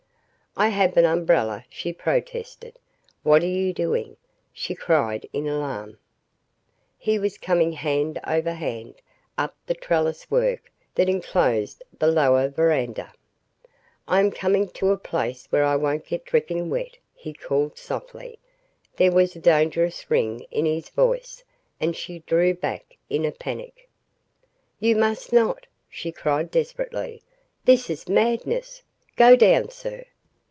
"I have an umbrella," she protested. "What are you doing?" she cried in alarm. He was coming hand over hand, up the trellis work that enclosed the lower verandah. "I am coming to a place where I won't get dripping wet," he called softly. There was a dangerous ring in his voice and she drew back in a panic. "You must not!" she cried desperately. "This is madness! Go down, sir!"